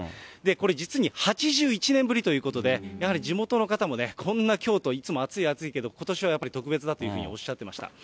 これ、実に８１年ぶりということで、やはり地元の方もね、こんな京都、いつも暑い、暑いけどことしはやっぱり特別だというふうにおっしゃってました。